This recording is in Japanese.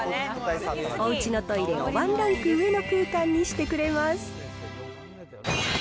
おうちのトイレをワンランク上の空間にしてくれます。